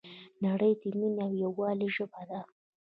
نړۍ د مینې او یووالي ژبه ده.